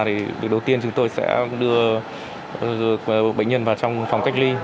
thì việc đầu tiên chúng tôi sẽ đưa bệnh nhân vào trong phòng cách ly